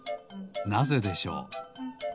なぜでしょう？